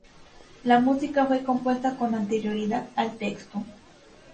La música fue compuesta con anterioridad al texto.